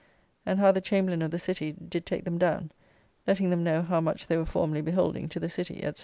And how the Chamberlain of the City did take them down, letting them know how much they were formerly beholding to the City, &c.